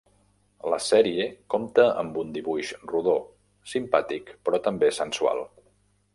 La sèrie compta amb un dibuix rodó, simpàtic però també sensual.